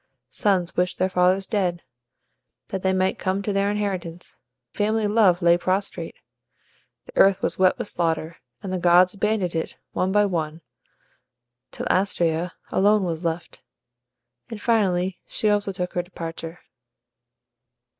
Sons wished their fathers dead, that they might come to the inheritance; family love lay prostrate. The earth was wet with slaughter, and the gods abandoned it, one by one, till Astraea alone was left, and finally she also took her departure.